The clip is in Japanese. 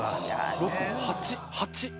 ６８８。